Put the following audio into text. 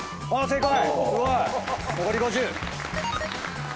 正解！